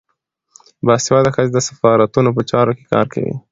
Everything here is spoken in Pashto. باسواده ښځې د سفارتونو په چارو کې کار کوي.